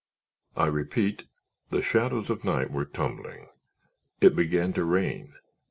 "I repeat, the shadows of night were tumbling. It began to rain.